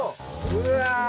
うわ！